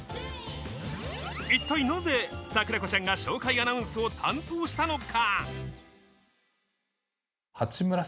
一体なぜ桜子ちゃんが紹介アナウンスを担当したのか？